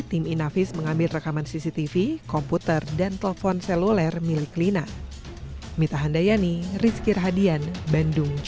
tim inavis mengambil rekaman cctv komputer dan telepon seluler milik lina